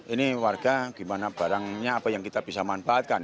ini warga gimana barangnya apa yang kita bisa manfaatkan